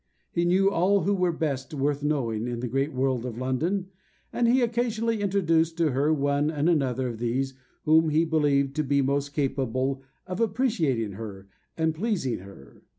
He knew all who were best worth knowing in the great world of London, and he occasionally introduced to her one and another of those whom he believed to be most capable of appreciating her and pleasing her.